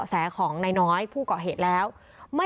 ประตู๓ครับ